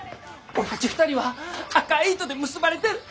俺たち２人は赤い糸で結ばれてる。